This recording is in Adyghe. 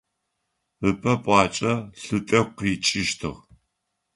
Ыпэ пӏуакӏэ лъы тӏэкӏу къичъыщтыгъ.